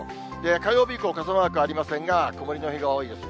火曜日以降、傘マークありませんが、曇りの日が多いです。